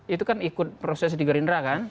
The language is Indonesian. itu kan ikut proses di gerindra kan